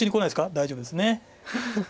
大丈夫ですね。